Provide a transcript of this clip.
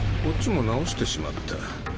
こっちも治してしまった。